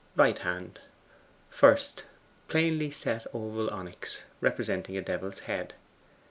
RIGHT HAND. 1st. Plainly set oval onyx, representing a devil's head.